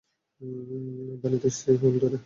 Vanathi, steering wheel ধরো!